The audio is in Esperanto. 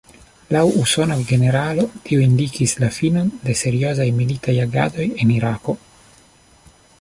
Laŭ usona generalo tio indikis la finon de seriozaj militaj agadoj en Irako.